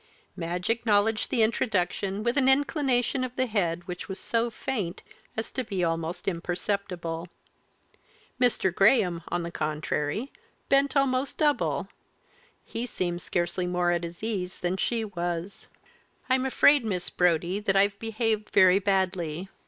Madge acknowledged the introduction with an inclination of the head which was so faint as to be almost imperceptible. Mr. Graham, on the contrary, bent almost double he seemed scarcely more at his ease than she was. "I'm afraid, Miss Brodie, that I've behaved very badly.